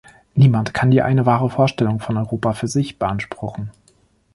Niemand kann die eine, wahre Vorstellung von Europa für sich beanspruchen.